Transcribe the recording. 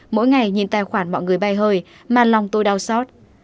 mỗi ngày nhìn tài khoản mọi người bay hơi mà lòng tôi đau xót